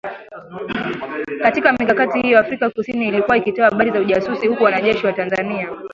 Katika mikakati hiyo, Afrika kusini ilikuwa ikitoa habari za ujasusi huku wanajeshi wa Tanzania